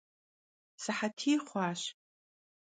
Sıhetiy xhuaş.